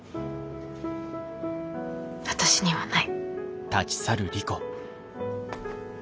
私にはない。